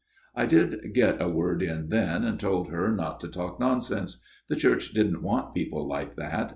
" I did get a word in then, and told her not to talk nonsense. The Church didn't want people like that.